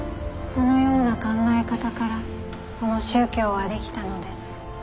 そのような考え方からこの宗教は出来たのです。